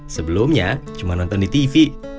sebelumnya cuma nonton di tv